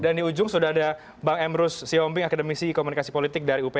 dan di ujung sudah ada bang emrus sionbing akademisi komunikasi politik dari upa